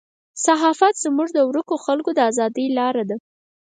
صحافت زموږ د ورکو خلکو د ازادۍ لاره ده.